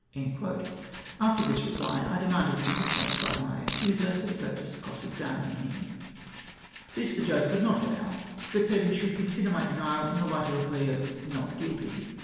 After this reply I demanded to be confronted with my accuser, for the purpose of cross examining him. This the Judge would not allow, but said he slioidd consider my denial in the light of a plea of " not guilty."